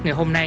ngày hôm nay